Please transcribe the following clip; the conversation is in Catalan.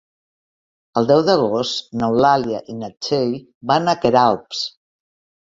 El deu d'agost n'Eulàlia i na Txell van a Queralbs.